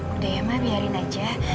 udah ya mah biarin aja